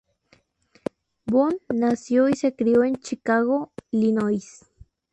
Boon nació y se crio en Chicago, Illinois.